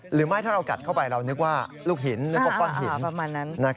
หรือไม่ถ้าเรากัดเข้าไปเรานึกว่าลูกหินหรือว่าป้อนหิน